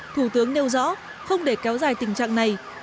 thủ tướng nêu rõ không để kéo dài tình trạng này